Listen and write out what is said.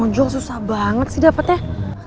nih ngujol susah banget sih dapetnya